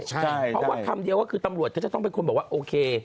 เพราะว่าคำเดียวก็คือตำรวจก็จะต้องเป็นคนบอกว่าโอเค